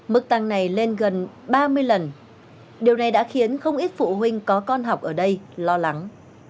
mức tăng này lên gần ba mươi lần điều này đã khiến không ít phụ huynh có con học ở đây lo lắng